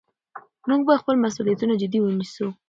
موږ باید خپل مسؤلیتونه جدي ونیسو